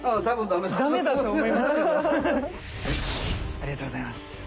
ありがとうございます。